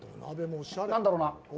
何だろうな。